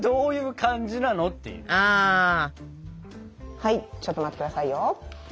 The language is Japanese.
はいちょっと待ってくださいよ。